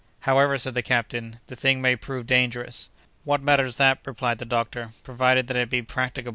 "However," said the captain, "the thing may prove dangerous." "What matters that," replied the doctor, "provided that it be practicable?"